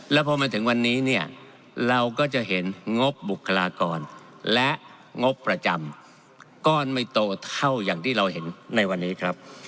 แล้วพอมาถึงวันนี้เนี่ยเราก็จะเห็นงบบุคลากรและงบประจำก้อนไม่โตเท่าอย่างที่เราเห็นในวันนี้ครับ